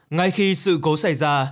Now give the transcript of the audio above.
ngay khi sự cố xảy ra